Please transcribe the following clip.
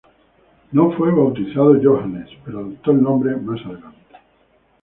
No fue bautizado Johannes, pero adoptó el nombre más adelante.